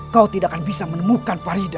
kau tidak akan bisa menemukan parida